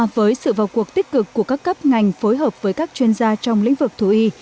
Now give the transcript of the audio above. với sự vào cuộc tích cực của các cấp ngành phối hợp với các chuyên gia trong lĩnh vực thú y